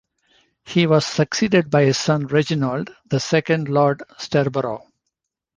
He was succeeded by his son Reginald, the second Lord Sterborough.